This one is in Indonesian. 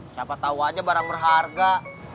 siapa tahu aja barang berharga